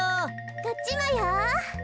こっちもよ。